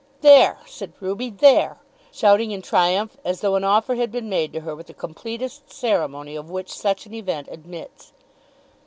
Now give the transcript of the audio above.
"There," said Ruby, "there!" shouting in triumph as though an offer had been made to her with the completest ceremony of which such an event admits.